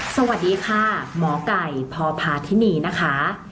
สวัสดีค่ะหมอไก่พพาธินีนะคะ